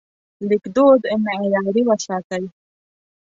لیکدود معیاري وساتئ.